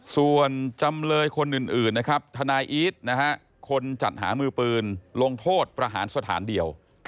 ส่วนจำเลยคนอื่นนะครับทนายอีทคนจัดหามือปืนลงโทษประหารสถานเดียว